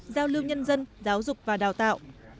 giao lưu nhân dân giáo dục và đào tạo